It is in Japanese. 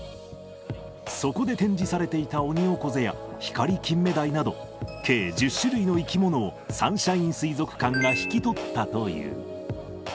そこで展示されていたオニオコゼやヒカリキンメダイなど、計１０種類の生き物をサンシャイン水族館が引き取ったという。